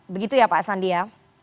begitu ya pak sandi ya